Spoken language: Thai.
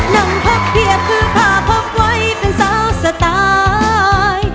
นั่งพบเงียบคือพาพบไว้เป็นเศร้าสตาย